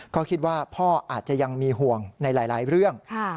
ก็คิดว่าพ่ออาจจะยังมีห่วงในหลายเรื่อง